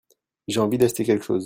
J'ai envie d'acheter quelque chose.